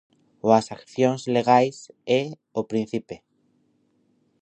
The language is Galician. O ás accións legais é o príncipe.